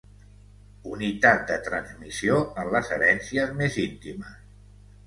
Unitat de transmissió en les herències més íntimes.